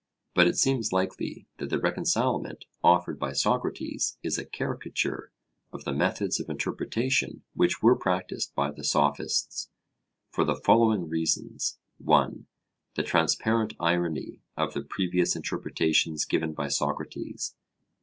But it seems likely that the reconcilement offered by Socrates is a caricature of the methods of interpretation which were practised by the Sophists for the following reasons: (1) The transparent irony of the previous interpretations given by Socrates.